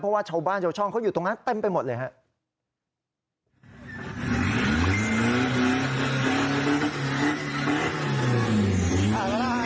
เพราะว่าชาวบ้านชาวช่องเขาอยู่ตรงนั้นเต็มไปหมดเลยครับ